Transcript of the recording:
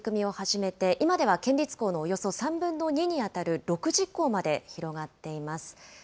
２０１８年から取り組みを始めて、今では県立校のおよそ３分の２に当たる６０校まで広がっています。